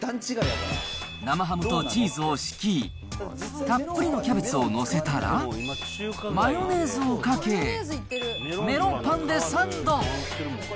生ハムとチーズを敷き、たっぷりのキャベツを載せたら、マヨネーズをかけ、メロンパンでサンド。